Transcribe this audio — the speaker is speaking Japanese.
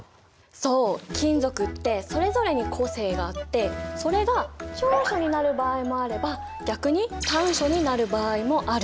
そう金属ってそれぞれに個性があってそれが長所になる場合もあれば逆に短所になる場合もある。